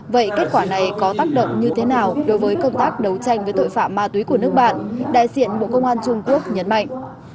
vậy kết quả này có tác động như thế nào đối với công tác đấu tranh với tội phạm ma túy của nước bạn đại diện bộ công an trung quốc nhấn mạnh